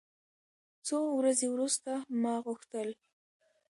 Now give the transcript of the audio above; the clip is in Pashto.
څو ورځې وروسته ما غوښتل.